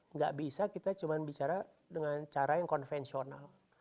nggak bisa kita cuma bicara dengan cara yang konvensional